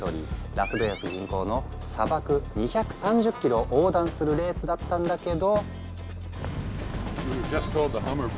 ラスベガス近郊の砂漠２３０ｋｍを横断するレースだったんだけど。